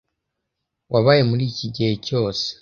wabaye muri iki gihe cyose